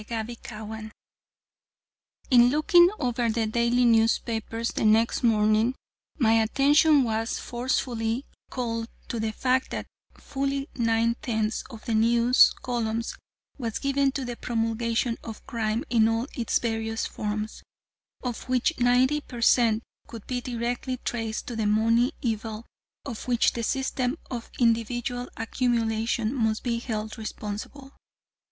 CHAPTER XXVIII In looking over the daily newspapers the next morning my attention was forcefully called to the fact that fully nine tenths of the news columns was given to the promulgation of crime in all its various forms, of which ninety per cent could be directly traced to the money evil, of which the system of individual accumulation must be held responsible.